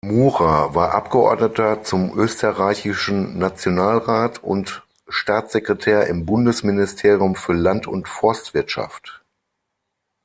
Murer war Abgeordneter zum Österreichischen Nationalrat und Staatssekretär im Bundesministerium für Land- und Forstwirtschaft.